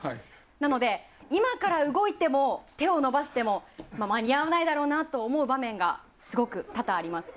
なので、今から動いても手を伸ばしても間に合わないだろうなと思う場面がすごく多々あります。